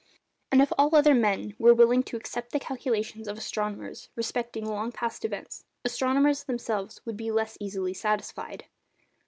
And if all other men were willing to accept the calculations of astronomers respecting long past events, astronomers themselves would be less easily satisfied.